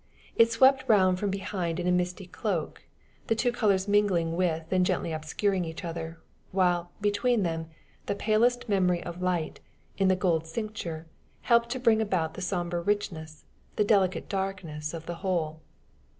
It swept round from behind in a misty cloak, the two colors mingling with and gently obscuring each other; while, between them, the palest memory of light, in the golden cincture, helped to bring out the somber richness, the delicate darkness of the whole.